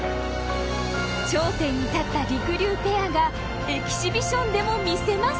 頂点に立ったりくりゅうペアがエキシビションでも見せます。